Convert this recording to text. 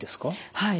はい。